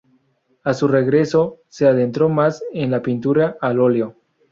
A su regreso se adentró más en la pintura al óleo.